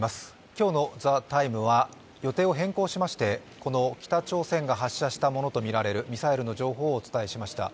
今日の「ＴＨＥＴＩＭＥ，」は予定を変更しまして、北朝鮮が発射したものとみられるミサイルの情報をお伝えしました。